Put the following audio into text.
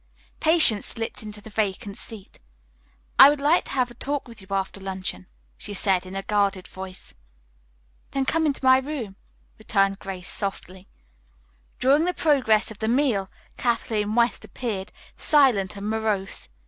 Patience slipped into the vacant seat. "I would like to have a talk with you after luncheon," she said in a guarded voice. "Then come into my room," returned Grace softly. During the progress of the meal Kathleen West appeared, silent and morose.